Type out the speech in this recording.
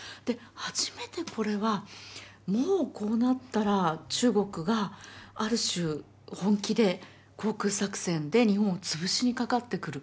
初めてこれはもうこうなったら中国がある種本気で航空作戦で日本を潰しにかかってくる。